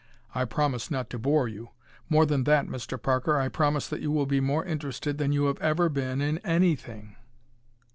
I promise not to bore you. More than that, Mr. Parker, I promise that you will be more interested than you have ever been in anything!"